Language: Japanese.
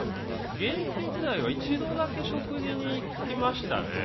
現役時代は一度だけ食事に行きましたね。